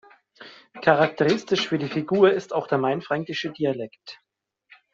Charakteristisch für die Figur ist auch der mainfränkische Dialekt.